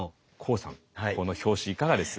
この表紙いかがです？